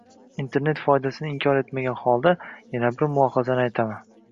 Internet foydasini inkor etmagan holda, yana bir mulohazani aytaman: